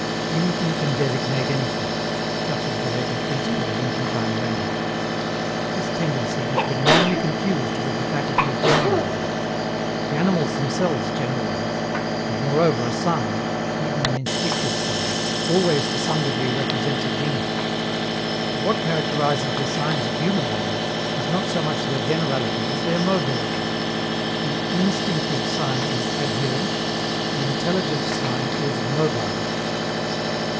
"Anything can designate anything;" such is the latent principle of infantine language. This tendency has been wrongly confused with the faculty of generalizing. The animals themselves generalize; and, moreover, a sign even an instinctive sign always to some degree represents a genus. But what characterizes the signs of human language is not so much their generality as their mobility. The instinctive sign is adherent, the intelligent sign is mobile.